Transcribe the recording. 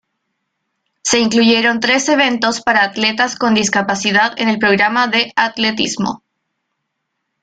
Se incluyeron tres eventos para atletas con discapacidad en el programa de atletismo.